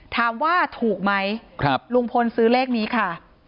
ถามว่าถูกไหมลุงพลซื้อเลขนี้ค่ะ